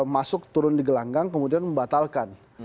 masuk turun di gelanggang kemudian membatalkan